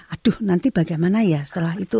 aduh nanti bagaimana ya setelah itu